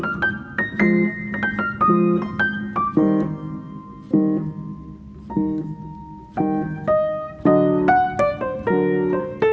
pak bisa lebih cepat nggak pak